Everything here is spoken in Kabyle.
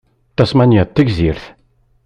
Tasmanya d tigzrit.